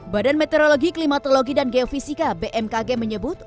badan meteorologi klimatologi dan geofisika bmkg menyebut